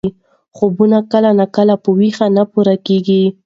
خوبونه کله ناکله په ویښه نه پوره کېږي.